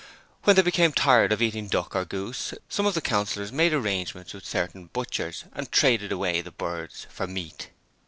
When they became tired of eating duck or goose, some of the Councillors made arrangements with certain butchers and traded away the birds for meat.